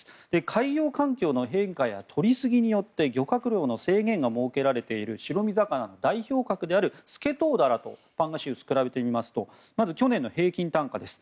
海洋環境の変化や取りすぎによって漁獲量の制限が設けられている白身魚の代表格であるスケトウダラとパンガシウスを比べてみますとまず去年の平均単価です